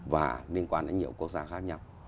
và liên quan đến nhiều quốc gia khác nhau